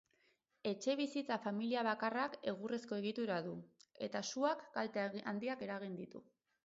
Etxebizitza familiabakarrak egurrezko egitura du, eta suak kalte handiak eragin ditu.